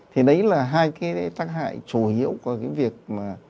thì đấy là hai cái tác hại chủ yếu của cái việc mà